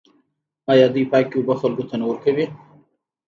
آیا دوی پاکې اوبه خلکو ته نه ورکوي؟